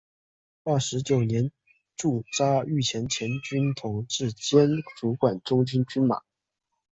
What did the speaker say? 二十九年驻扎御前前军统制兼主管中军军马。